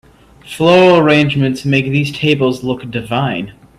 Floral arrangements make these tables look divine.